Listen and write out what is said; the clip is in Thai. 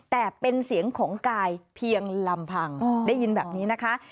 แต่เป็นเสียงของกายเพียงลำพังได้ยินแบบนี้นะคะ